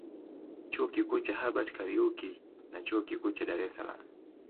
Chuo Kikuu cha Hubert Kairuki na Chuo Kikuu cha Dar es Salaam